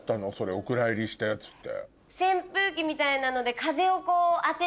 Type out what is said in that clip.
お蔵入りしたやつって。